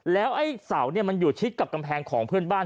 แล้วไอ้เสามันอยู่ชิดกับกำแพงของเพื่อนบ้าน